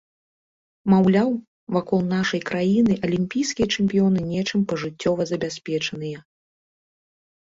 Маўляў, вакол нашай краіны алімпійскія чэмпіёны нечым пажыццёва забяспечаныя.